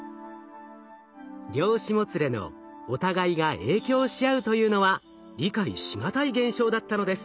量子もつれの「お互いが影響し合う」というのは理解し難い現象だったのです。